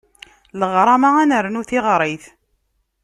Leɣṛama ad nernu tiɣrit.